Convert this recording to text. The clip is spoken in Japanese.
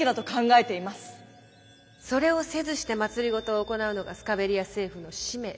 それをせずして政を行うのがスカベリア政府の使命です。